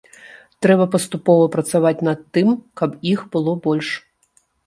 Трэба паступова працаваць над тым, каб іх было больш.